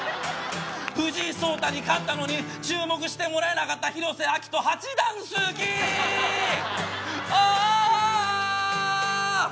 藤井聡太に勝ったのに注目してもらえなかった広瀬章人八段好きアー